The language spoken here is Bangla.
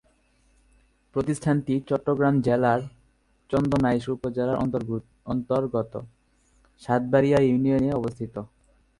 প্রতিষ্ঠানটি চট্টগ্রাম জেলার চন্দনাইশ উপজেলার অন্তর্গত সাতবাড়িয়া ইউনিয়নে অবস্থিত।